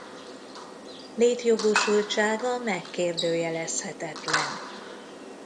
Létjogosultsága megkérdőjelezhetetlen.